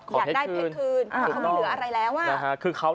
อยากได้เพชรคืนขอเท็จคืนเขาเหลืออะไรแล้ว